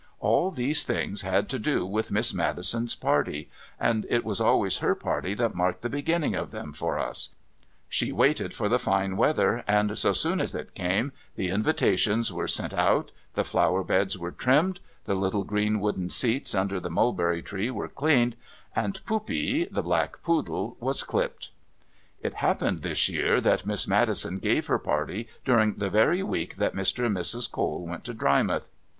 All these things had to do with Miss Maddison's parly, and it was always her party that marked the beginning of them for us; she waited for the fine weather, and so soon as it came the invitations were sent out, the flower beds were trimmed, the little green wooden seats under the mulberry tree were cleaned, and Poupee, the black poodle, was clipped. It happened this year that Miss Maddison gave her party during the very week that Mr. and Mrs. Cole went to Drymouth.